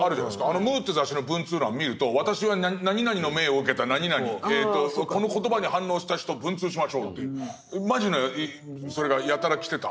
あの「ムー」っていう雑誌の文通欄見ると「私は何々の命を受けた何々この言葉に反応した人文通しましょう」っていうマジなそれがやたら来てた。